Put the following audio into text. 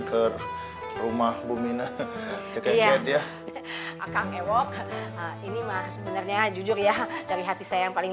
ke rumah bumi nah ceket ya akan e work ini mah sebenarnya jujur ya dari hati saya yang paling